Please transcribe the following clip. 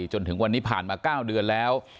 จนถึงวันนี้ผ่านมา๙เดือนแล้ว